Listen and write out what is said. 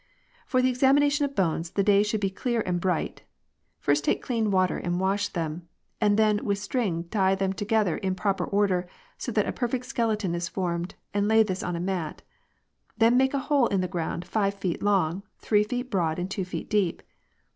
" For the examination of bones the day should be clear and bright. First take clean water and wash them, and then with string tie them together in proper order so that a perfect skeleton is formed, and lay this on a mat. Then make a hole in the ground, five feet long, three feet broad and two feet deep.